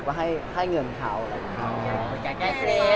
เอ้อผ่านมันไปสิครับ